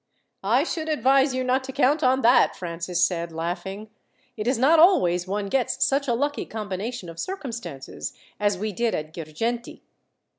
"I should advise you not to count on that," Francis said, laughing. "It is not always one gets such a lucky combination of circumstances as we did at Girgenti."